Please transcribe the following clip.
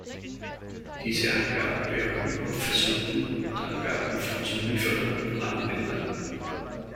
Diese Angaben beruhen auf Versuchen und Angaben von Zulieferern und Anwendern.